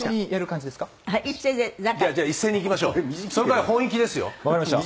じゃあ一斉にいきましょう。